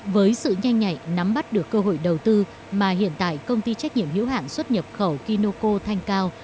với sự nhanh nhảy nắm bắt được cơ hội đầu tư mà hiện tại công ty trách nhiệm hữu hạng xuất nhập khẩu kinoko thanh cao